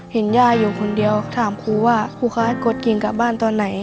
เห็นย่าอยู่คนเดียวถามครูว่าครูคะให้กดกิ่งกลับบ้านตอนไหน